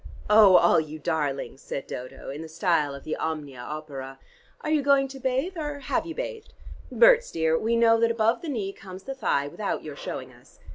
"Oh, all you darlings," said Dodo, in the style of the 'Omnia opera,' "are you going to bathe, or have you bathed? Berts, dear, we know that above the knee comes the thigh, without your showing us.